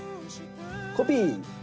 コピー。